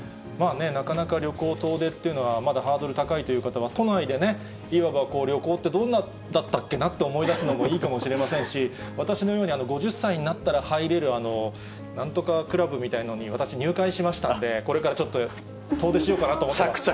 なかなか旅行、遠出っていうのは、まだハードル高いという方は、都内でね、いわば旅行ってどんなだったっけなって、思い出すのもいいかもしれませんし、私のように、５０歳になったら入れるなんとかクラブみたいなのに私、入会しましたんで、これからちょっと、遠出しようかなと思ってます。